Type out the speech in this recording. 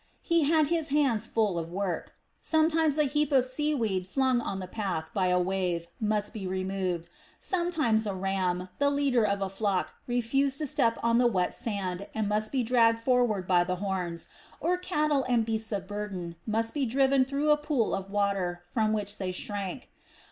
He had his hands full of work; sometimes a heap of sea weed flung on the path by a wave must be removed; sometimes a ram, the leader of a flock, refused to step on the wet sand and must be dragged forward by the horns, or cattle and beasts of burden must be driven through a pool of water from which they shrank.